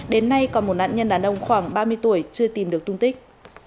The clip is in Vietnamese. đến nay còn một nạn nhân đàn ông khoảng ba mươi tuổi chưa tìm được tung tích